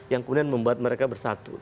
yang kemudian membuat mereka bersatu